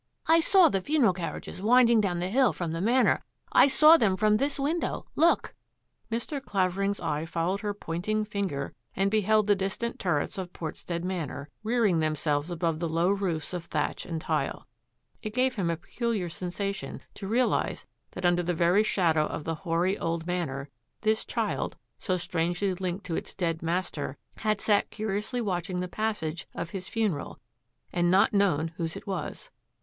I saw the funeral carriages winding down the hill from the Manor. I saw them from this window. Look !" Mr. Clavering's eye followed her pointing finger and beheld the distant turrets of Portstead Manor, rearing themselves above the low roofs of thatch and tile. It gave him a peculiar sensation to realise that under the very shadow of the hoary old Manor this child, so strangely linked to its dead master, had sat curiously watching the pas sage of his funeral, and not known whose it was.